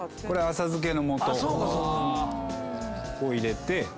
浅漬けの素を入れて。